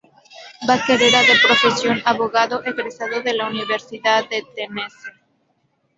Baker era de profesión abogado, egresado de la Universidad de Tennessee.